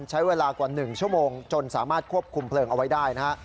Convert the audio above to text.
ใช้เวลากว่า๑ชั่วโมงจนสามารถควบคุมเพลิงเอาไว้ได้นะฮะ